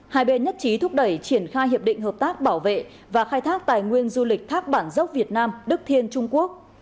hai bên nhất trí thúc đẩy triển khai hiệp định hợp tác bảo vệ và khai thác tài nguyên du lịch thác bản dốc việt nam đức thiên trung quốc